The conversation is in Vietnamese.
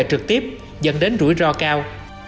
trực tiếp dẫn đến rủi ro cao